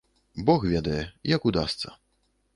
Бог ведае, як удасца.